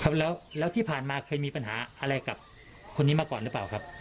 แล้วแล้วที่ผ่านมาเคยมีปัญหาอะไรกับคนนี้มาก่อนหรือเปล่าครับ